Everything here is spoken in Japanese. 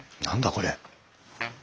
これ。